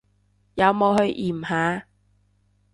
有冇去驗下？